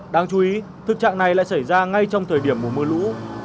đáng chú ý thực trạng này lại xảy ra ngay trong thời điểm mùa mưa lũ